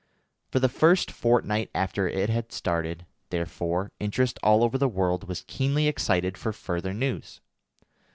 For the first fortnight after it had started, therefore, interest all over the world was keenly excited for further news.